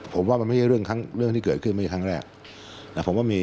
ผมว่ามันไม่ใช่เรื่องที่เกิดขึ้นไม่ใช่ครั้งแรก